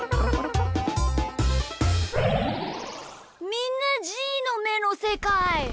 みんなじーのめのせかい。